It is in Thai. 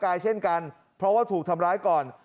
เช่นกันเพราะว่าถูกทำร้ายก่อน